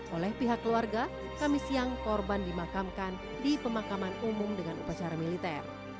oleh pihak keluarga kami siang korban dimakamkan di pemakaman umum dengan upacara militer